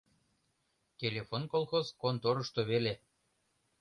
Телефон колхоз конторышто веле.